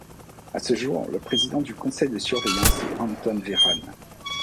À ce jour le président du conseil de surveillance est Anton Werhahn.